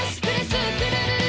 スクるるる！」